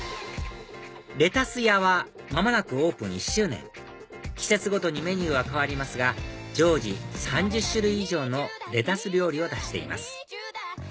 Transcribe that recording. レタスやは間もなくオープン１周年季節ごとにメニューは変わりますが常時３０種類以上のレタス料理を出しています